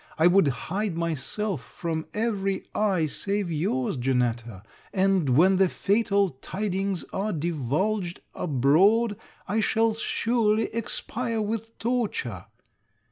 I would hide myself from every eye save your's, Janetta; and, when the fatal tidings are divulged abroad, I shall surely expire with torture.